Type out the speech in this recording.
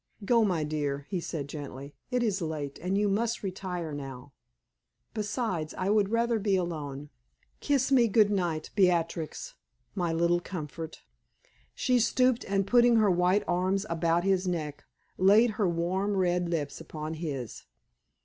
"Go, my dear," he said, gently; "it is late, and you must retire now. Besides, I would rather be alone. Kiss me good night, Beatrix, my little comfort." She stooped, and putting her white arms about his neck, laid her warm, red lips upon his.